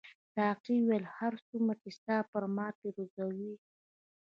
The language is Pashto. ساقي وویل هر څومره چې ستا پر ما پیرزو وې.